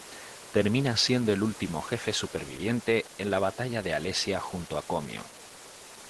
Termina siendo el último jefe superviviente en la batalla de alesia junto a Comio.